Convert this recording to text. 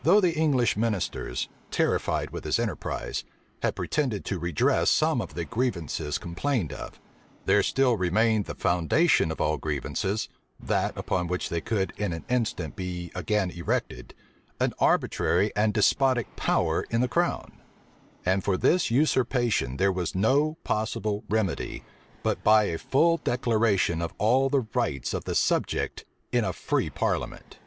Though the English ministers, terrified with his enterprise, had pretended to redress some of the grievances complained of, there still remained the foundation of all grievances, that upon which they could in an instant be again erected, an arbitrary and despotic power in the crown. And for this usurpation there was no possible remedy, but by a full declaration of all the rights of the subject in a free parliament.